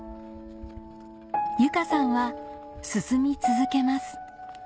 由佳さんは進み続けます